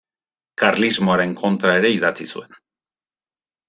Karlismoaren kontra ere idatzi zuen.